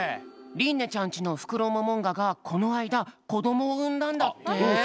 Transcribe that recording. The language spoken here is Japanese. りんねちゃんちのフクロモモンガがこのあいだこどもをうんだんだって。